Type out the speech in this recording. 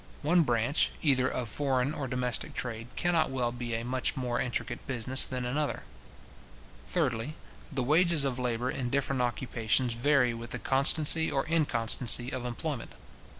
One branch, either of foreign or domestic trade, cannot well be a much more intricate business than another. Thirdly, the wages of labour in different occupations vary with the constancy or inconstancy of employment.